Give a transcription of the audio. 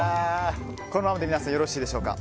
このままで皆さんよろしいでしょうか。